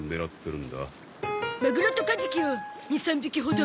マグロとカジキを２３匹ほど。